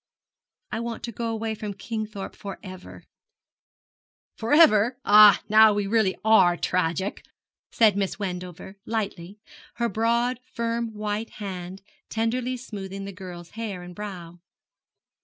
'I want to go away from Kingthorpe for ever.' 'For ever? Ah, now we are really tragic!' said Miss Wendover, lightly, her broad, firm white hand tenderly smoothing the girl's hair and brow.